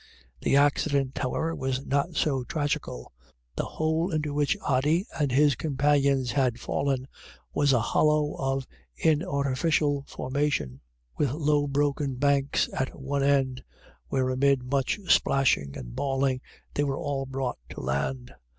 The accident, however, was not so tragical. The hole into which Ody and his com panions had fallen was a hollow of inartificial formation, with low broken banks at one end, where amid much splashing and bawling they were all brought to land.